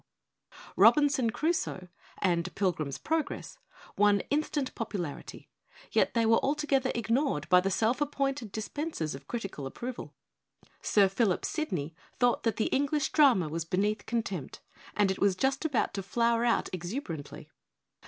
l Robinson Crusoe' and 'Pilgrim's Prog ress' won instant popularity, yet they were altogether ignored by the self appointed dis pensers of critical approval. Sir Philip Sidney thought that the English drama was beneath contempt; and it was just about to flower out exuberantly.